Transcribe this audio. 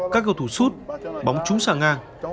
các cầu thủ sút bóng trúng sang ngang